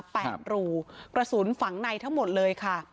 แปดรูกระสุนฝังในทั้งหมดเลยค่ะ